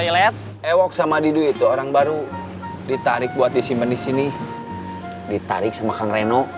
ladang ladang ladang